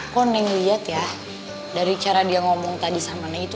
kok neng liat ya dari cara dia ngomong tadi sama neng itu